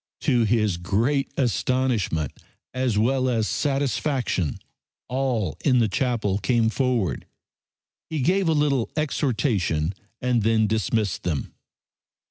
To his great astonishment as well as satisfaction all in the chapel came forward. He gave a little exhortation and then dismissed them.